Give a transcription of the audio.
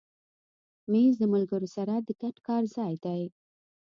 مېز د ملګرو سره د ګډ کار ځای دی.